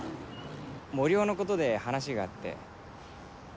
森生のことで話があって。